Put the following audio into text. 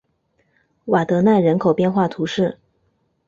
瓦德奈人口变化图示